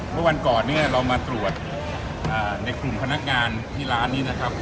เมื่อวันก่อนเนี่ยเรามาตรวจในกลุ่มพนักงานที่ร้านนี้นะครับ